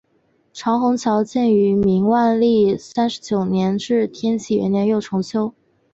长虹桥建于明万历三十九年至天启元年又重修。